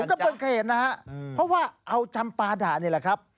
วุ้นกรอบจำปาดะเข้นนะครับเพราะว่าเอาจำปาดะนี่แหละครับ